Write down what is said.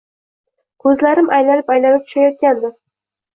Ko’zlarim aylanib-aylanib tushayotgandi